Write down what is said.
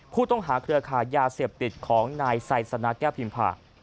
ผู้ต้องหาเครือค่ายาเสพติดของนายไซด์สนาแก้วพิมพา